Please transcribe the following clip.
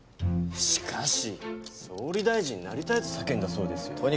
しかし総理大臣になりたいと叫んだそうですよ。